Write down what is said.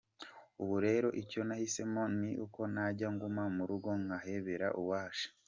Ubu rero icyo nahisemo ni uko najya nguma mu rugo ngahebera urwaje.